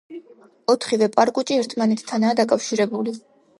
ოთხივე პარკუჭი ერთმანეთთანაა დაკავშირებული.